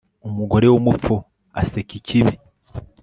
umugore w'umupfu aseka ikibi